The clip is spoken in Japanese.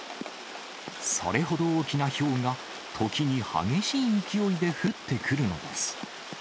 それほど大きなひょうが、時に激しい勢いで降ってくるのです。